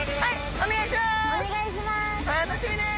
お願いします。